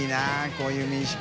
こういう民宿。